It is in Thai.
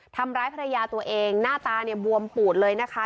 ทำร้ายภรรยาตัวเองหน้าตาเนี่ยบวมปูดเลยนะคะ